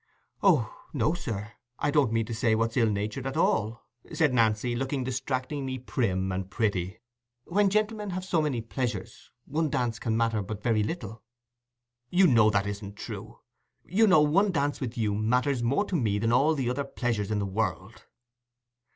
"Oh, no, sir, I don't mean to say what's ill natured at all," said Nancy, looking distractingly prim and pretty. "When gentlemen have so many pleasures, one dance can matter but very little." "You know that isn't true. You know one dance with you matters more to me than all the other pleasures in the world."